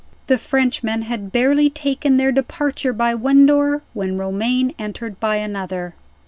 The Frenchmen had barely taken their departure by one door, when Romayne entered by another.